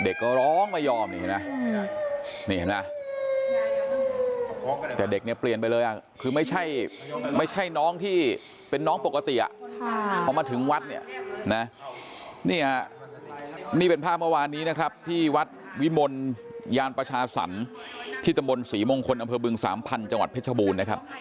เด็กก็ร้องไม่ยอมแต่เด็กนี้เปลี่ยนไปเลยคือไม่ใช่น้องที่เป็นน้องปกติเพราะมาถึงวัดนี่เป็นภาพเมื่อวานี้ที่วัดวิมนตร์ยานประชาสรรค์ที่ตำรวจศรีมงคลอำเภอบึง๓พันธุ์จังหวัดเพชรบูรณ์